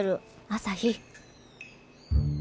朝陽。